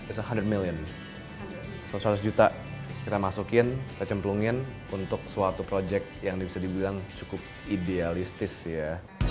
it's seratus million seratus juta kita masukin kita cemplungin untuk suatu project yang bisa dibilang cukup idealistis ya